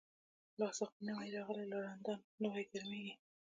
لاسا قی نوی راغلی، لا رندان نوی ګرمیږی